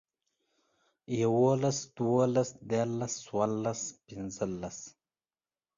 يوولس، دوولس، ديارلس، څوارلس، پينځلس